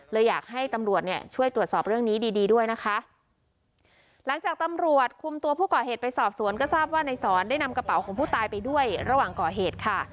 เลยอยากให้ตำรวจเนี่ยช่วยตรวจสอบเรื่องนี้ดีดีด้วยนะคะหลังจากตำรวจคุมตัวผู้ก่อเหตุไปสอบสวนก็ทราบว่าในสอนได้นำกระเป๋าของผู้ตายไปด้วยระหว่างก่อเหตุค่ะ